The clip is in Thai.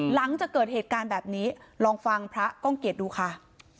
หลังจากเกิดเหตุการณ์แบบนี้ลองฟังพระก้องเกียจดูค่ะ